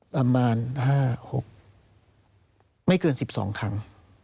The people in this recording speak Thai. ประมาณ๕๖ไม่เกิน๑๒ครั้ง